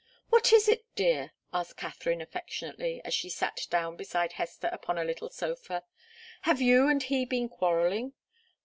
"What is it, dear?" asked Katharine, affectionately, as she sat down beside Hester upon a little sofa. "Have you and he been quarrelling?"